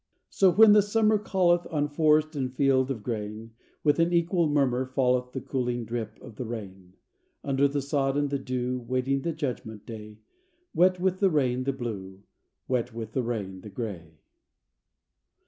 So when the summer calleth, On forest and field of grain, With an equal murmur falleth The cooling drip of the rain Under the sod and the dew, Waiting the judgment day; Wet with the rain, the Blue; Wet with the rain, the Gray.